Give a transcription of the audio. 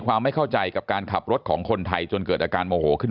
ไม่เข้าใจกับการขับรถของคนไทยจนเกิดอาการโมโหขึ้น